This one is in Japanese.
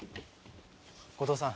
後藤さん。